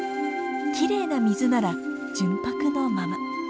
きれいな水なら純白のまま。